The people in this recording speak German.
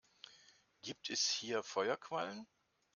Gibt es hier Feuerquallen?